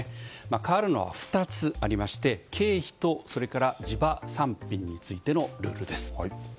変わるのは２つありまして経費とそれから地場産品についてのルールです。